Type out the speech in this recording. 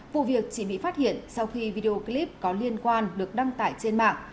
vụ việc chỉ bị phát hiện sau khi video clip có liên quan được đăng tải trên mạng